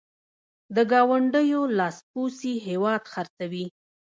د ګاونډیو لاسپوڅي هېواد خرڅوي.